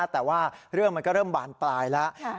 แต่ว่าเรื่องมันก็เริ่มบานปลายแล้ว